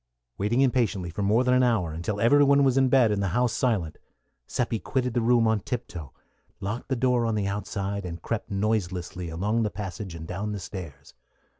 Waiting impatiently for more than an hour, until every one was in bed and the house silent, Seppi quitted the room on tiptoe, locked the door on the outside, and crept noiselessly along the passage and down the stairs.